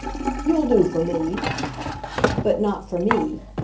"You'll do for me." "But not for me.